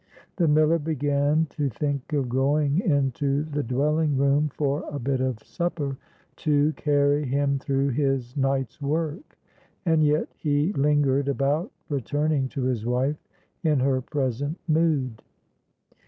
The miller began to think of going into the dwelling room for a bit of supper to carry him through his night's work. And yet he lingered about returning to his wife in her present mood.